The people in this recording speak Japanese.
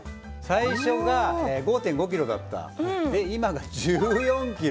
最初が５．５ｋｇだった今が１４ｋｇ。